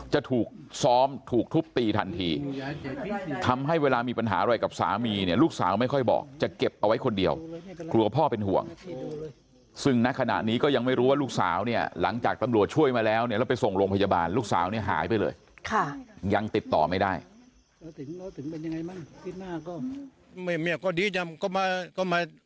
จะถูกซ้อมถูกทุบตีทันทีทำให้เวลามีปัญหาอะไรกับสามีเนี่ยลูกสาวไม่ค่อยบอก